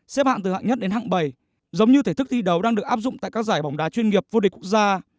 xếp hạng từ hạng nhất đến hạng bảy giống như thể thức thi đấu đang được áp dụng tại các giải bóng đá chuyên nghiệp vô địch quốc gia